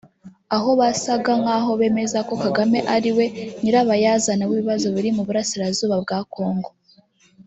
Aho basaga nk’aho bemeza ko Kagame ariwe nyirabayazana w’ibibazo biri mu burasirazuba bwa Congo